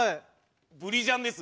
ブリジャンです。